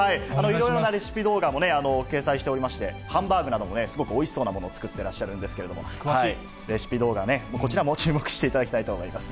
いろいろなレシピ動画も掲載しておりまして、ハンバーグなどもすごくおいしそうなものを作ってらっしゃるんですけれども、詳しいレシピ動画、こちらも注目していただきたいと思います。